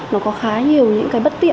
nó có khá nhiều những cái bất tiện